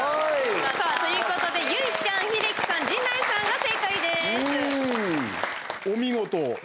ということで、結実ちゃん英樹さん、陣内さんが正解です。